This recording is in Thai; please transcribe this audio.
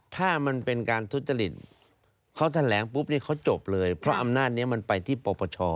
ถ้ามันเป็นการทุจริตเขาแถลงปุ๊บนี่เขาจบเลยเพราะอำนาจนี้มันไปที่ปปช